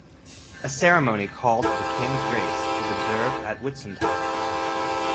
A ceremony called the King's Race is observed at Whitsuntide.